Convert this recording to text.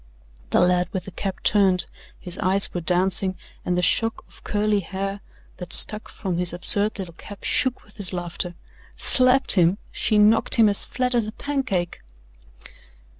The lad with the cap turned. His eyes were dancing and the shock of curly hair that stuck from his absurd little cap shook with his laughter. "Slapped him! She knocked him as flat as a pancake."